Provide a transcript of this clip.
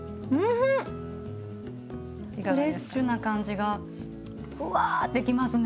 フレッシュな感じがふわってきますね。